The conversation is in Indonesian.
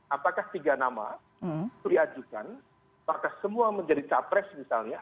apakah tiga nama itu diajukan apakah semua menjadi capres misalnya